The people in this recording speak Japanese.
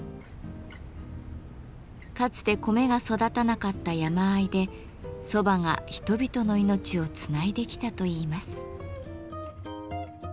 かつて米が育たなかった山あいで蕎麦が人々の命をつないできたといいます。